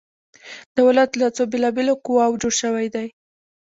دولت له څو بیلا بیلو قواو جوړ شوی دی؟